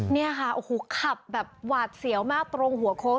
นี่ค่ะโอ้โหขับแบบหวาดเสียวมากตรงหัวโค้ง